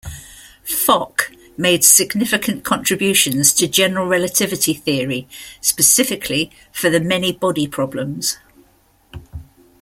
Fock made significant contributions to general relativity theory, specifically for the many body problems.